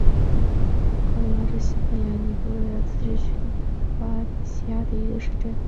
奥利瓦是西班牙巴伦西亚自治区巴伦西亚省的一个市镇。